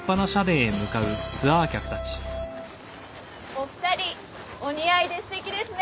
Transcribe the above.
お二人お似合いで素敵ですね。